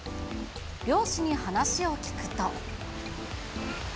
漁師に話を聞くと。